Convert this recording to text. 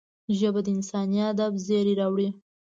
ژبه د انساني ادب زېری راوړي